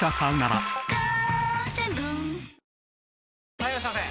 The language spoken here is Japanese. ・はいいらっしゃいませ！